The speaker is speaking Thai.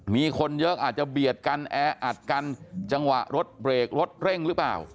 มีคนเยอะอาจจะเบียดกันแออัดกันจังหวะรถเบรกรถเร่งหรือเปล่า